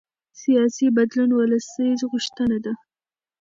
سیاسي بدلون ولسي غوښتنه ده